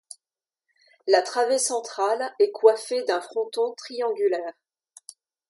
La travée centrale est coiffée d'un fronton triangulaire.